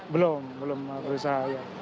belum belum berusaha